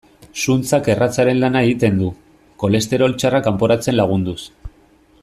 Zuntzak erratzaren lana egiten du, kolesterol txarra kanporatzen lagunduz.